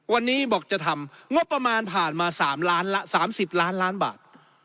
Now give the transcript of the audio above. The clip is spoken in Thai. วันนี้บอกจะทำงบประมาณผ่านมา๓ล้านละ๓๐ล้านล้านบาท